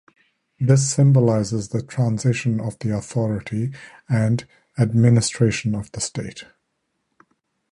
This symbolises the transition of the authority and administration of the state.